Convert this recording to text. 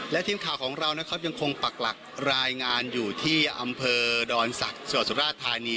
และทีมข่าวของเรานะครับยังคงปักหลักรายงานอยู่ที่อำเภอดอนศักดิ์จังหวัดสุราชธานี